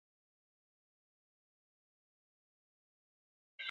Emeak urtero lau arrautza erruten ditu gehienetan.